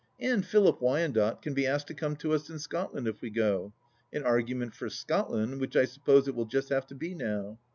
And Philip Wyandotte can be asked to come to us in Scot land if we go. An argument for Scotland, which I suppose it will just have to be now.